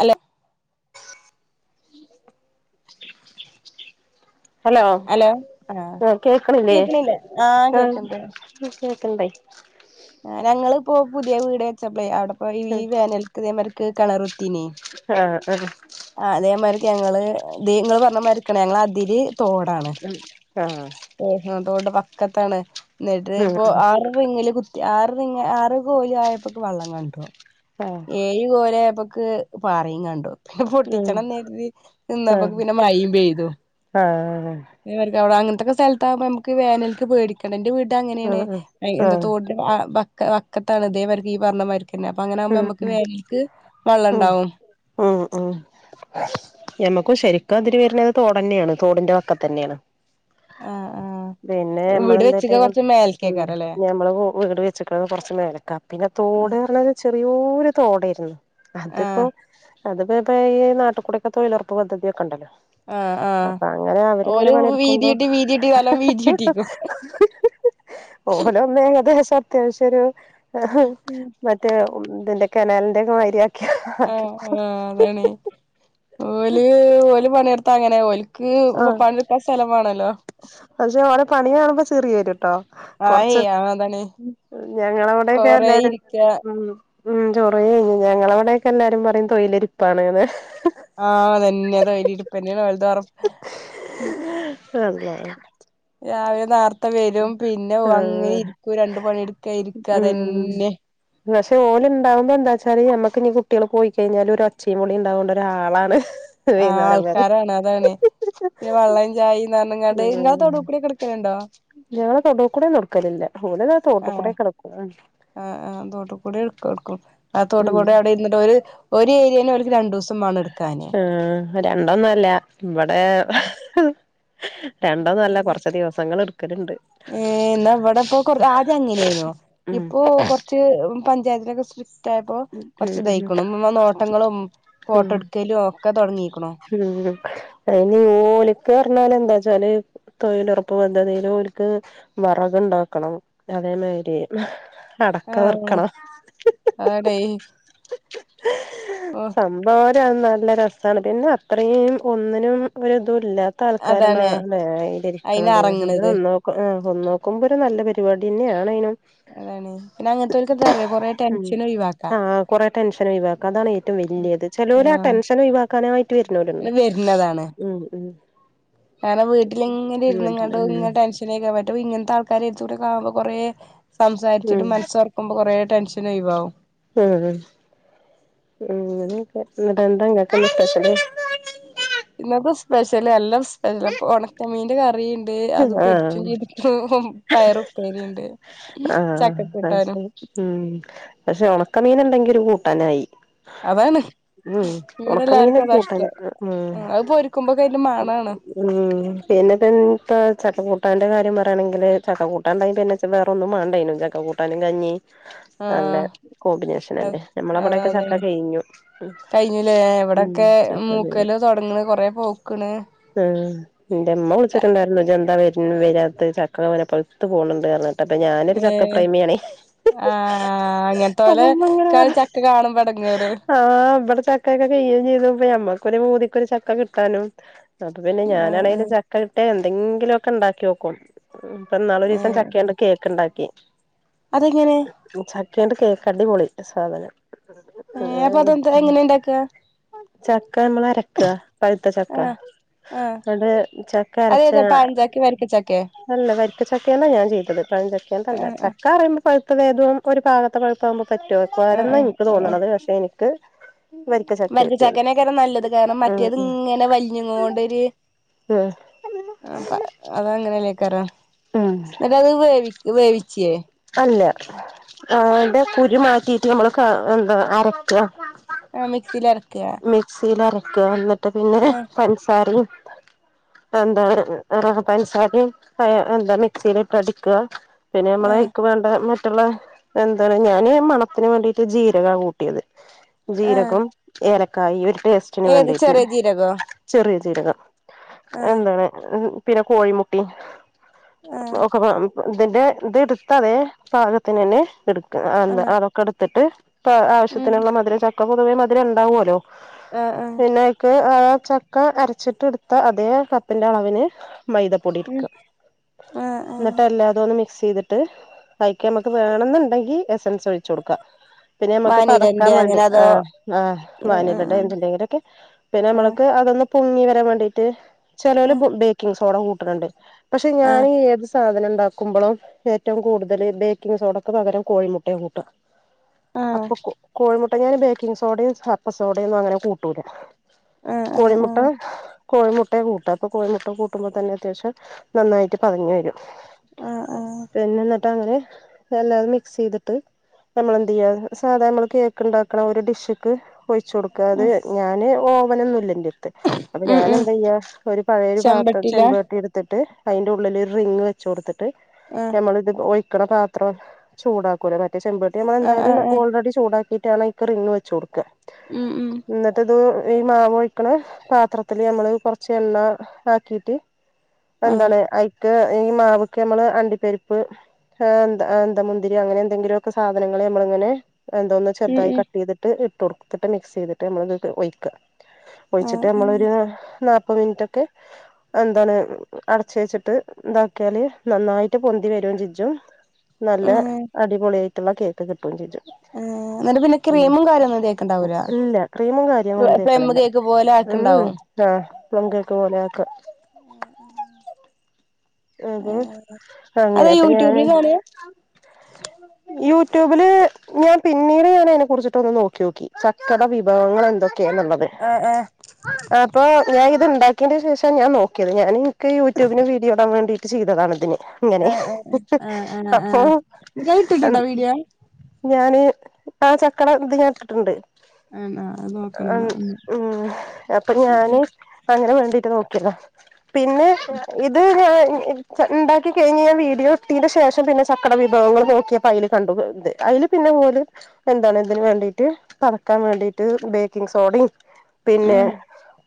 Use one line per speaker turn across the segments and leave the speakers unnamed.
അല്ലൊ
hello ഏഹ് കേക്ക്ണില്ലേ
കേക്കണില്ലേ ആഹ്
ഇപ്പൺ
കേക്കണ്ട്
ഇക്ക് കേക്ക്ണ്ടൈ
ഏഹ് ഞങ്ങള് ഇപ്പോ പുതിയ വീട് വെച്ചപ്പ്ളേ അവടെ ഇപ്പൊ ഈ
ഉം
വേനൽക്ക് ഇതേമാരിക്ക് കണറുത്തീനേയ്
ആഹ് ആഹ്
ആഹ് ഇതേമാരിക്ക് ഞങ്ങള് ദീ ഇങ്ങള് പർണമാരിക്കാണ് ഞങ്ങളെ അതിര് തോടാണ്
ഉം ആഹ്
ഓഹാൻ തോടിന്റെ വക്കത്താണ് ഇന്ന്ട്ട്
ഉം
ഇപ്പൊ
ഉം
ആറ് റിങ്ങില് കു ത്തി ആറ് റിംഗ് ആറ് കോയി ആയപ്പക്ക് വള്ളം കണ്ടു
ഫേ
ഏയു കോലായപ്പക്ക് പാറിം കണ്ടു പിന്നെ
ഉം
പൊട്ടിച്ചണംന്നെര്തി നിന്നപ്പക്ക് പിന്നെ മയിം പെയ്തു
ആ ആ
ഇതേമാരിക്ക് അവടെ അങ്ങൻത്തെക്കെ സ്ഥൽത്താവുമ്പൊ അമ്മക്ക് വേനൽക്ക് പേടിക്കണ്ട ഇന്റെ വീട്
ആ
അങ്ങനേണ് എയ്
ആ ആ
എന്താ
ഉം
തോട് ആ ബക്ക വക്കത്താണ് ഇതേവെറ്ക്ക് ഈ പർണ മാരിക്കെന്നെ അപ്പ അങ്ങനെ ആവുമ്പാെ ഞമ്മക്ക്
ഏഹ് ഉം ഉം ഉം ഞമ്മക്കും ശെരിക്ക് അതിര് വെര്നത് തോടെന്നേണ് തോടിന്റെ വക്കത്തെന്നേണ്
ആ ആ
പിന്നെ ഞമ്മള്
വീട്
എന്ത്
വെച്ചക്ക
കാട്ടീക്ക്ണ്
കൊറച്ച്
ഉം
മേൽക്കേക്കാറല്ലേ
ഞമ്മള് വ് വീട് വെ ച്ച്ക്ക്ണത് കൊറച്ച് മേലക്കാ പിന്നെ തോട് പർണത് ചെറിയോരു തോടെര്ന്നു
ആ
അത്പ്പാെ അത് ഇപ്പപ്പേ ഈ നാട്ട്ക്കൂടെക്കെ തൊഴിലാെറപ്പ് പദ്ധതി ഒക്കെ ഇണ്ടല്ലോ
ആ ആ
അപ്പ അങ്ങനെ അവര് ഇങ്ങനെ
ഓല്
പണിട്ക്കുമ്പാെ
വീതിയിട്ട് വീതിയിട്ട് വലം വീതിയിട്ടിക്കും
ഓലൊന്ന് ഏകദേശം അത്യാവശ്യം ഒരു ഉം ഇതിന്റെ കനാലിന്റെ ഒക്കെ മാതിരിയാ
ആ ആഹ് അതാണ് ഓല് ഓല് പണിയെടുത്താ അങ്ങനെ ഓല് ക്ക് ഇപ്പൊ
ആഹ്
പണിയെടുക്കാൻ സ്ഥലം വേണല്ലോ
പക്ഷെ ഓരെ പണിയ കാണുമ്പോ ചിറി വരുട്ടോ
ആയ്
കൊറച്ച
അതാണ്
ഞങ്ങളവിടെ ഒക്കെ
കൊറേ
എല്ലാരും
ഇരിക്ക
ഉം ഉം ചൊറ കഴിഞ്ഞ് ഞങ്ങളവിടെ ഒക്കെ എല്ലാരും പറയും തൊഴിലരിപ്പാണ്ന്ന്
ആഹ് തന്നെ അത വല ഇടുപ്പ്ന്നെയാണ് വലുതോറ
അള്ളാ
രാവിലെ നേർത്തെ വരും പിന്നെ അങ്ങനെ
ആഹ്
ഇരിക്കൂ രണ്ട് പണി എടുക്ക ഇരിക്ക
ഉം
അതന്നെ
പക്ഷെ ഓല് ഉണ്ടാവുമ്പോ എന്താ വെച്ചാല് നമ്മക്ക്ഞ്ഞി കുട്ടികൾ പോയി കഴിഞ്ഞാല് ഒരു ഒച്ചയും വിളി ഉണ്ടാവണ്ട ആളാണ്
ആഹ് ആൾക്കാരാണ് അതാണ് പിന്നെ വെള്ളം ചായന്ന് പറഞ്ഞ്ങ്ങാണ്ട് ഇങ്ങളെ തൊടൂകൂടി ഒക്കെ എടുക്കലുണ്ടോ
ഞങ്ങളെ തൊടുകൂടെന്നും എടുക്കലില്ല [unintelligible]
ആഹ്
കെടക്കും
ആ ആ തോട്ട് കൂടി എടുക്കും എടുക്കും ആ തോട്ട് കൂടി അവിടെ ഇര്ന്നിട്ട് ഓല് ഒരു ഏരിയേല് ഓൽക്ക് രണ്ട് ദിവസം
ആഹ് രണ്ടൊന്നും അല്ല ഇവിടെ രണ്ട് ഒന്നും അല്ല കൊറച്ച് ദിവസങ്ങൾ എടുക്കലുണ്ട്
ഏഹ് എന്നാ ഇവിടെപ്പൊ കൊ ആദ്യം അങ്ങനെയ്നോ
ഉം
ഇപ്പൊ കൊറച്ച് പഞ്ചായത്തിലൊക്കെ തായപ്പോ കുറച്ച്
ഉം
ഇതായ്ക്ക്ണ് നോട്ടങ്ങളും ഫോട്ടോ
ഉം
എടുക്കലും ഒക്കെ തുടങ്ങീക്ക്ണോ
ഉം അതിന് ഓല്ക്ക് പറഞ്ഞാല് എന്താ വച്ചാല് തൊഴിലുറപ്പ് പദ്ധതിയില് ഓര്ക്ക് വിറക് ഉണ്ടാക്കണം അതേമാരി
ആഹ് അങ്ങനെ അട
[unintelligible] സംഭവം നല്ല രസാണ് പിന്നെ അത്രയും ഒന്നിനും ഒരു ഇതും ഇല്ല മത്തെ
അതാണ്
ആൾക്കാരന്നല്ലേ [unintelligible]
അയിന്
ഇരിക്കണത് പക്ഷെ ഇത്
അറങ്ങ്ണത്
നന്നാവും ആ ഒന്ന് നോക്കുമ്പോ ഒരു നല്ല പരിപാടി തന്നെ ആണേനും
അതാണ് പിന്നെ അങ്ങൻ ത്തോൽക്കെന്താ അറിയോ കൊറെ ടെൻഷനും ഒഴിവാക്ക
ആ കുറെ ടെൻഷന് ഒഴിവാക്കാം അതാണ് ഏറ്റവും വല്ല്യത് ചെലോല് ആ
ആഹ്
ടെൻഷന് ഒഴിവാക്കാനായിട്ട്
അത്
വരുന്നവരുണ്ട്
വര്ണതാണ്
ഉം ഉം
കാരണം വീട്ടിലിങ്ങനെ
വീട്ടില്
ഇര്ന്ന്ങ്ങാണ്ട് ഇങ്ങനെ
ഉം
ടെൻഷ ഇതിനെ ഒക്കെ പറ്റും ഇങ്ങൻത്തെ ആൾക്കാര് [unintelligible] കാവുമ്പൊ കുറേ സംസാരിച്ചിട്ടും മനസ്സ് തുറക്കുമ്പോ കൊറേ ടെൻഷൻ ഒഴിവാവും
ഉം അങ്ങനെ ഒക്കെ എന്നിട്ട് എന്താ നിങ്ങൾക്ക് എന്താ സ്പഷ്യല്
ഇന്നത്തെ സ്പെഷ്യല് എല്ലാം സ്പെഷ്യലാ ഇപ്പൊ ഉണക്കമീനിന്റെ കറിയുണ്ട് അത് പൊരിച്ചും
ആഹ്
ചെയ്ത് ഇപ്പം പയർ ഉപ്പേരിയുണ്ട്
ആഹ്
ചക്ക
അത്
കൂട്ടാനും
ശരി ഉം പക്ഷെ ഉണക്കമീൻ ഉണ്ടെങ്കി ഒരു കൂട്ടാനായി
അതാണ്
ഉം
ഇവിടെ എല്ലാർക്കും
ഉണക്കമീനൊക്കെ കൂട്ടാന്
അതാഷ്ടം
ഉം
അത് പൊരിക്കുമ്പോ കയിന്റെ മണാണ്
ഉം പിന്നെ തന്നെ ഇപ്പ ചക്കൂട്ടാൻന്റെ കാര്യം പറയയാണെങ്കിൽ ചക്ക കൂട്ടാൻ ഉണ്ടെങ്കിൽ പിന്നെ ഇച്ച് വേറൊന്നും വേണ്ടേനും ചക്ക കൂട്ടാനും കഞ്ഞി നല്ല
ആഹ്
കോമ്പിനേഷൻ
അഹ്
അല്ലേ
അതെ
നമ്മളവിടെക്കെ
അതെ
ചക്ക കഴിഞ്ഞു
കഴിഞ്ഞില്ലേ ഇവിടെ
ഉം
ത്തെ
ചക്ക
മൂക്കല് തുടങ്ങ്ണ് കൊറേ പഴുക്ക്ന്ന്
ആഹ് എന്റെ ഇമ്മ വിളിച്ചിട്ട് ഉണ്ടായിരുന്നു ഇജ് എന്താ വരാത്തെ ചക്ക വരെ പഴുത്ത് പോണ് ഉണ്ട് പറഞ്ഞാണ്ട് അപ്പൊ ഞാനൊരു ചക്കപ്രേമിയണേ.
ആഹ അങ്ങനത്തെ പോലെ ചക്ക കാണുംമ്പോ എടങ്ങേറ്.
ആ് ഇവിടെ ചക്കൊക്കെ കയ്യുകയും ചെയ്തു്പ ഞമ്മക്കൊരു പൂതിക്ക് ഒരു ചക്ക കിട്ടാനും. അത് പിന്നെ
ഏഹ്
ഞാനാണെങ്കലും
ഏഹ്
ചക്ക കിട്ടിയാൽ എന്തെങ്കിലുമൊക്കെ ഉണ്ടാക്കിനോക്കും. ഇപ്പം ഇന്നാൾ ഒരു ദിവസം
ഏഹ്
ചക്കകൊണ്ട് കേക്ക് ഇണ്ടാക്കി.
അതെങ്ങനെ.
ചക്കന്റെ കേക്ക് അടിപൊളി സാധനം.
ഏ അപ്പൊ അതെന്താ എങ്ങനെ ഇണ്ടാക്ക.
ചക്ക നമ്മൾ അരകാ പഴുത്ത ചക്ക
ആഹ് ആഹ്
ഇന്നട്ട് ചക്ക '' കരച്ച
അതേതാ പഴഞ്ചാക്കെ വരിക്കച്ചക്കെ
അല്ല വരിക്കച്ചക്കന്നാ ഞാൻ ചെയ്തത് പഴഞ്ച ചക്കയല്ല
ആഹ് ആഹ്
[unintelligible]
ആഹ്
[unintelligible]
ആഹ്
എനിക്ക്
ആഹ്
തോന്നണത് പക്ഷെ എനിക്ക് വരിക്ക ചക്കയാ
വരക്ക്
കിട്ടിയത്
ചക്കനൊക്ക നല്ലത് കാരണം
ഉം
മറ്റേത്
ഉം
ഇങ്ങനെ വരിഞ്ഞുകൊണ്ട് കൊണ്ടരു''
ഉം
ആ അത അങ്ങനെല്ലേക്കറോ
ഉം
എന്നിട് അത് വേവി വേവിച്ചേ.
അല്ല അന്റെ കുരു മാറ്റിയിട്ട് നമ്മള് എന്താ അരക്കുക.
ആ മിക്സിയില് അരക്ക.
മിക്സിയിൽ അരക്ക എന്നിട്ട് പിന്നെ പഞ്സാാരയും'' എന്താ ആ പഞ്സാര എന്താ മിക്സിയില ഇട്ട് അടിക്ക. പിന്നെ
ആഹ്
നമ്മളക്ക് വേണ്ട മറ്റുള്ള എന്താണ് ഞാാന് മണത്തിന് വേണ്ടിട്ട് ജീരക കൂട്ടും.
ആഹ്
ജീരകം ഏലക്കയി ഒരു ടേസ്റ്റിന്
ഏത്
വേണ്ടിട്ട്.
ചെറിയ ജീരകോ
ചെറിയ ചിരകം
ആഹ്
എന്താണ് പിന്നെ കോഴിമുട്ടിയും.
ആഹ്
[unintelligible] ഇതിന്റെ ഇത് അതേ പാകത്തിന് തന്നെ എടുക്ക അതൊക്കെ എടുത്തിട്ട്
ഉം
ആവശ്യത്തിനുള്ള മധുര. [unintelligible] ചക്ക പൊതുവേ മധുരം ഉണ്ടാവുമല്ലോ.
ആഹ ആഹ
പിന്നെക്ക് ആ ചക്ക അരച്ചിട്ട് എടുത്ത അതേ കപ്പിൻ്റെ അളവിന് മൈദപ്പൊടി ഇടുക്ക.
ഉം ആഹ് ആഹ്
എന്നിട്ട് എല്ലാതോ ഒന്ന് മിക്സ് ചെയ്തിട്ട് കഴിക്കാൻ നമുക്ക് വേണം എന്നുണ്ടെങ്കിൽ എസൻസ് ഒഴിക. വച്ച കൊടുക്കാം പിന്നെ നമുക്ക് പതക്കാൻ
വാനിലന്റെ
വേണ്ടി
അങ്ങനെ അതോ
ആ ആ് വാനിലടെ
ആഹ്
എന്തെങ്കിലും ഒക്കെ ഒഴിച്ചു കൊടുക്ക. പിന്നെ
ആഹ്
നമ്മൾക്ക് അതൊന്ന് പൊങ്ങി വരാൻ വേണ്ടീട്ട്'' ചെിലഓല്
ആഹ്
ബുക്ക് ബേക്കിംഗ് സോഡ കൂട്ടുനുണ്ട് പക്ഷെ ഞാൻ
ആഹ്
ഏത്. സാധനം ഉണ്ടാക്കുമ്പോള്ളോ ഏറ്റവും കൂടുതൽ ബേക്കിംഗ് സോഡക്ക് പകരം കോഴിമുട്ടയ കൂട്ടാ. അപ്പൊ
ആഹ്
കോഴിമുട്ട ഞാൻ ബേക്കിങ് സോഡയും ഹപ്പ സോഡയും ഒന്നും അങ്ങനെ കൂട്ടൂല.
ആഹ് ആഹ്
കോഴിമുട്ട
ആഹ്
കോഴിമുട്ടയെ കൂട്ട അപ്പൊ കോഴിമുട്ട കൂട്ടുമ്പോ തന്നെ അത്യാവശ്യം. നന്നായിട്ട് പതഞ് വരും.
ആഹ് ആഹ്
പിന്നെ എന്നിട്ട് അങ്ങനെ എല്ലാതും മിക്സ് ചെയ്തിട്ട്. ഞമ്മള് എന്തയാ സാധാരണ നമ്മള് കേക്ക് ഉണ്ടാക്കണ ഒരു ഡിഷക്ക്'' ഒഴിച്ച കൊടുക്കാതെ
ഉം
ഞാൻ ഓവനൊന്നുംല്ല എന്റടുത്തു. അപ്പൊ
ഉം
ഞാൻ
ഉം
എന്താ ചെയ്യാ ഒരു പഴയ ഒരു പാത്രം
ചെമ്പട്ടിലാ
ചെമ്പട്ടി എടുത്തിട്ട് അതിന്റെ ഉള്ളിൽ ഒരു റിംഗ് [unintelligible] ച്ച കൊടുത്തിട്ട്
ആഹ്
ഞമ്മള് ഇത് ഒഴിക്കണ പത്രം ചൂടാക്കൂലെ മറ്റേ ചെമ്പാട്ടി '' മ്മ
ആഹ്
എന്തായാലും
ആഹ് ആഹ്
ഓൾറെഡി ചൂടാക്കിട്ടാണ് ഈ റിഗ് വെച്ച കൊടുക്ക.
ഉം ഉം
എന്നിട്ട് ഇത് ഈ മാവ് ഒഴിക്കണ പാത്രത്തിൽ നമ്മൾ കുറച്ച് എണ്ണ ആക്കിയിട്ട്.
ആഹ്
എന്താണ് ആയിക് ഈ മാവക്ക് നമ്മള് അണ്ടി പരിപ്പ്'' ആ എന്ത എന്ത മുന്തിരി അങ്ങനെ എന്തെങ്കിലുമൊക്കെ സാധനങ്ങൾ നമ്മൾഇങ്ങനെ എന്തോ.
ഉം
ചെറുതായി
ഉം
കട്ട് ചെയ്തിട്ട് ഇട്ടൊടുത്തിട്ട് മിക്സ് ചെയ്തിട്ട് നമ്മള് ഒയ്ക്ക
ആഹ്
ഒഴിച്ചിട്ട്
ആഹ്
നമ്മളൊരു നാല്പ്പത് മിനിറ്റൊക്കെ ആഹ് എന്താണ് അടച്ച് വെച്ചിട്ട് ഇതാക്കിയാല് നന്നായിട്ട് പൊന്തി വരും [unintelligible] നല്ല
ആഹ്
അടിപൊളിയായിട്ടുള്ള കേക്ക് കിട്ടും ചോച്ചും
ആഹ് എന്നിട്ട് പിന്നെ
ഉം
ക്രീമും കാര്യൊന്നും തേക്ക്ണ്ടാവൂല
ഇല്ല ക്രീമും കാര്യങ്ങളും ഒന്നും
പ്ലം
തേക്കണില്ല
കേക്ക് പോലെ
ഉം
ആക്ക്ണ്ടാവും
ആ പ്ലം കേക്ക് പോലെ ആക്ക
ആഹ് ആഹ്
അപ്പൊ
ഏഹ് അത്
അങ്ങനെ അപ്പൊ
യൂട്യൂബിന്നാണ്
യൂടൂബില് ഞാൻ പിന്നീട് ഞാൻ അതിനെ കുറിച്ചിട്ടൊന്ന് നോക്ക്യോക്കി ചക്കടെ വിഭവങ്ങൾ എന്തൊക്കെയെന്നുള്ളത്
ആഹ് ആഹ്
അപ്പൊ ഞാൻ ഇത് ഇണ്ടാക്കിയന്റെ ശേഷം ഞാൻ നോക്കിയത് ഞാൻ എനിക്ക് യൂട്യൂബിന് വീഡിയോ ഇടാൻ വേണ്ടി ചെയ്തതാണ് ഇതിന് ഇങ്ങനെ
ആഹ് ആഹ് ആഹ് ആഹ്
അപ്പൊ
ആഹ് ഇയ്യ്
എ
ഇട്ടിട്ടുണ്ടോ വീഡിയോ
ഞാന് ആ ചക്കടെ ഇതു ഞാനിട്ടിട്ടുണ്ട്
ആണോ അത് നോക്കണം ന്നാ ഒന്ന്
ഉം അപ്പൊ ഞാന് അങ്ങനെ വേണ്ടീട്ട് നോക്കിയതാ പിന്നെ ഇത് ഞാൻ ഇണ്ടാക്കി കഴിഞ്ഞ് ഞാൻ വീഡിയോ ഇട്ടീന് ശേഷം പിന്നെ ചക്കേടെ വിഭവങ്ങൾ നോക്കിയപ്പോ അയില് കണ്ടു അയില് പിന്നെ ഇങ്ങോല് എന്താണ് ഇതിന് വേണ്ടിട്ട് പതക്കാൻ വേണ്ടീട്ട് ബേക്കിംഗ് സോഡയും പിന്നെ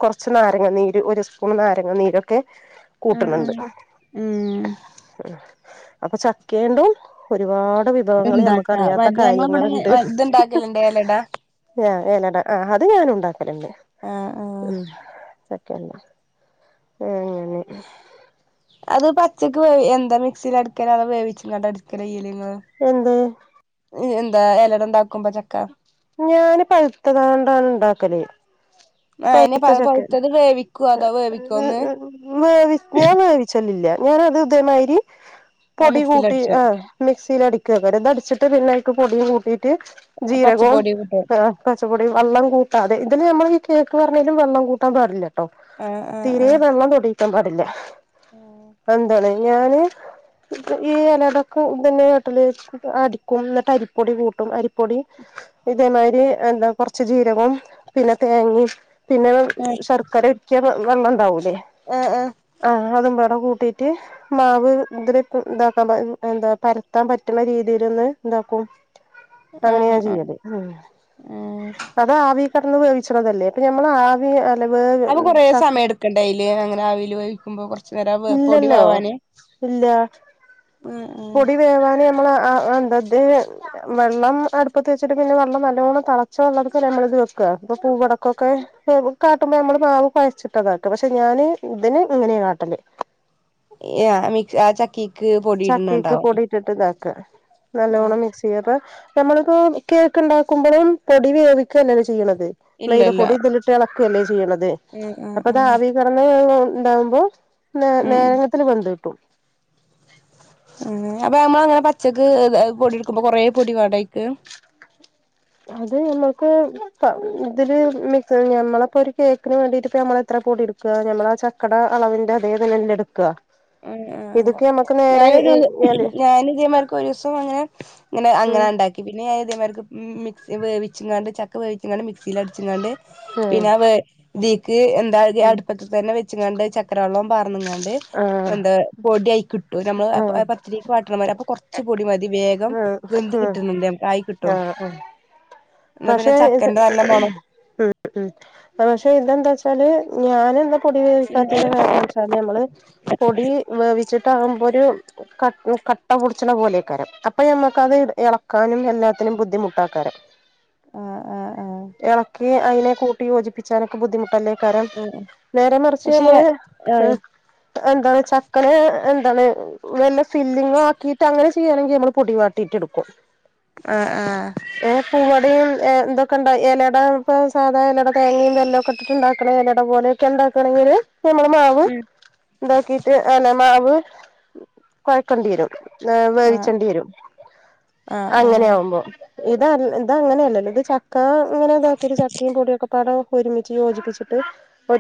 കൊറച്ച് നാരങ്ങ നീര് ഒരു സ്പൂൺ നാരങ്ങ നീരൊക്കെ
ഉം
കൂട്ടുന്നുണ്ട്
ഉം ഉം
അപ്പൊ ചക്കയേണ്ടും ഒരുപാട് വി [unintelligible]
ഇണ്ടാക്കാ
നമ്മുക്കറിയാത്ത
മറ്റേ ഞങ്ങളിവിടെ
കാര്യങ്ങളുണ്ട്
ഇത്ണ്ടാക്കലുണ്ട് എലട
ഞാ ഏലട ആ അത് ഞാൻ ഉണ്ടാക്കാറുണ്ട്
ആഹ് ആഹ്
പിന്നെ അങ്ങനെ
അത് പച്ചക്ക് വേ എന്താ മിക്സിൽ അടിക്കല് അതാ വേവിച്ചങ്ങണ്ട് അടിക്കല് ചെയ്യല് ഇങ്ങല്
എന്ത്
എന്താ എലേട് ഇണ്ടാക്കുമ്പോ ചക്ക
ഞാന് പഴുത്തത് കൊണ്ടാ ഇണ്ടാക്കല്
ആഹ് അയിനെ പ
പഴുത്ത ചക്കേ
പഴുത്തത് വേവിക്കോ അതോ വേവിക്കോ ഒന്ന്
വേവി ഞാൻ വേവിച്ചല്ലില്ല ഞാനത് ഇതേമാതിരി
ആഹ്
പൊടി കൂട്ടി
മിക്സിലടിച്ചോ
ആഹ് മിക്സിൽ അടിക്ക വെറുതെ അടിച്ചിട്ട് പിന്നെ അതിക്ക് പൊടിയും കൂട്ടീയിട്ട് ജീരകോം
പച്ചപ്പൊടി കൂട്ടി
പച്ചപ്പൊടി വള്ളം കൂട്ടാതെ ഇതില് നമ്മ കേക്ക് പറഞ്ഞേലും വെള്ളം കൂട്ടാൻ പാടില്ല ട്ടോ
ആഹ് ആഹ്
തീരെ വെള്ളം തൊടിയിക്കാൻ പാടില്ല
ആഹ്
എന്താണ് ഞാന് ഈ ഇലടക്കും ഇതന്നെ കേട്ടല് അടിക്കും എന്നിട്ട് അരിപ്പൊടി കൂട്ടും അരിപ്പൊടി ഇതേമാതിരി എന്താ കൊറച്ച് ജീരകവും തേങ്ങിം പിന്നെ
ആഹ്
ശർക്കര ഉരുക്കിയ വെള്ളം ഇണ്ടാവൂലേ
ഏഹ് ഏഹ്
ആ അതും പാടെ കൂട്ടീട്ട് മാവ് ഇതി ഇതാക്കാ എന്താ പരത്താൻ പറ്റണ രീതിയിലൊന്ന് ഇണ്ടാക്കും അങ്ങനെയാ
ആഹ്
ഞാൻ
ആഹ്
ചെയ്യല്
ആഹ്
അതാവി കിടന്ന് ച്ചണതല്ലേ അപ്പ ഞമ്മളാദ്യം
അപ്പ കൊറേ സമയം എടുക്കണ്ടേ അയില് അങ്ങനെ ആവീല് വേവിക്കുമ്പോ ച്ച്രാ പൊടി
ഇല്ലല്ലോ
വേവാന്
ഇല്ല
ഉം ഉം
പൊടി വേവാന് നമ്മള് ആ എന്താ ദ് എ വെള്ളം അടുപ്പത്ത് വെച്ചിട്ട് പിന്നെ വെള്ളം നല്ലോണം തളച്ച [unintelligible] നമ്മള്ത് വെക്ക ഇപ്പൊ പൂവടക്കൊക്കെ [inaudible] കാട്ടുമ്പോ നമ്മള് മാവ് കൊഴച്ചിട്ട്താട്ടും പക്ഷെ ഞാന് ഇതിന് ഇങ്ങനെയ കാട്ടല്
[unintelligible] ആ ചക്കി
ചക്കേക്ക് പൊടിട്ടിട്ട് താക്ക
ആഹ്
നല്ലോണം മിക്സ് [unintelligible] നമ്മളിപ്പോ കേക്ക്ണ്ടാക്കുമ്പളും പൊടി വേവിക്ക അല്ലേലൊ ചെയ്യ്ണത് മെയ്ത
ഇല്ലല്ല
പൊടി തിലിട്ടെളക്കല്ലേ ചെയ്യണത്
ആഹ് ആഹ് ആഹ്
അപ്പൊതാവിക [inaudible] ണ്ടാവുമ്പോ ന്
ഉം
നേരത്തിന് വെന്ത് കിട്ടും
ഉം അപ്പൊ നമ്മള് ങ്ങനെ പച്ചക്ക് എ പൊടി എടുക്കുമ്പൊ കൊറെ പൊടി വേണ്ടയ്ക്ക്
അത് ഞമ്മക്ക് ത തില് മി ഞമ്മളപ്പൊരു കേക്കിന് വേണ്ടിട്ട് പ്പ ഞമ്മളെത്ര പൊടി എടു ക്ക ഞമ്മളാ ആ ചക്കട അളവിന്റെതേ തന്നെല്ലെട്ക്ക
അം ആഹ് ഞാനൊരു
ഇല്
ഞാനിതേ മാരിക്കൊരോസം അങ്ങനെ ങ്ങനെ അങ്ങന
ഉം
ണ്ടാക്കി പിന്നെ ഇതേമാര്ക്ക് മ് മിക്സി വേവിച്ചങ്ങാണ്ട് ചക്ക വേവിച്ചങ്ങാണ്ട് മിക്സീല ടിച്ച്ങ്ങാണ്ട്
ഉം
പിന്ന വേ തീക്ക് എന്താ കി
ഉം
അടുപ്പത്ത് തന്നെ വെച്ച്ങ്ങാണ്ട് ചക്കര വെള്ളം പാർന്ന്ങ്ങാ [inaudible]
ആഹ്
പന്താ പൊടി അയ്ക്ക്ട്ടു നമ്മള് പ
ആഹ്
പ ത്തിരിക്ക് വാട്ടണമാരി അപ്പൊ കൊർച്ച് പൊടി മതി വേഗം
ആഹ്
വെന്ത്
ആഹ്
കിട്ടുന്നുണ്ട് ആയി കിട്ടും
ആഹ്
എന്നാ പിന്നെ ചക്കന്റെ നല്ല മണം
ഉംഉം പക്ഷെ ഇതെന്താച്ചാല് ഞാന് ന്താ പൊടി വേവിക്കാത്തിന്റെ കാരണം ച് ചാല് നമ്മള് പൊടി വേവിച്ചിട്ടാകുമ്പൊരു ക കട്ടപൊടിച്ച്ണ പോലെയക്കാരം അപ്പൊ ഞമ്മക്കത് എളക്കാനും എല്ലാത്തിനും ബുദ്ധിമുട്ടാകരം
[inaudible] ആഹ്
എളക്കി അയിനെ കൂട്ടി യോജിപ്പിച്ചാനൊക്കെ ബുദ്ധിമുട്ടല്ലേ കരം
ആഹ്
നേരെ മറിച്ച്
പക്ഷെ
ഞമ്മള്
ആഹ്
ഏഹ് എന്താണ് ചക്കനെ എന്താണ് വല്ല ഫില്ലിങ്ങോ ആക്കിട്ടങ്ങനെ ചെയ്യാണെങ്കി നമ്മള് പൊടി വാട്ടീട്ടെടുക്കും
ആഹ് ആഹ്
ഏഹ് പൂവടയും എ ന്തൊക്കെണ്ട എലടാ പ്പം സാദാ എലട തേങ്ങയും വെല്ലൊക്ക ട്ട്ട്ട്ണ്ടാക്ക്‌ണ എലട പോലെക്കെ ണ്ടാക്കാണെങ്കില് നമ്മള് മാവ് ണ്ടാക്കിട്ട് അങ്ങനെ മാവ് കൊഴക്കണ്ട്യരും ന്നേ
ആഹ്
വേവിച്ചേണ്ടി വരും
ആഹ്
അ അങ്ങനെ
ആഹ്
ആകുമ്പോ ഇത ഇതങ്ങനെയല്ലല്ലോ ത് ചക്ക ങ്ങനെ താക്കിട്ട് ചക്കയും പൊടിയൊക്കെ പാടെ ഒരുമിച്ച് യോജിപ്പിച്ചിട്ട്